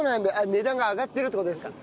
値段が上がってるって事ですか。